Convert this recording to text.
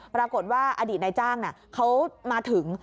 ปรากฏว่าอดีตนายจ้างเขามาถึง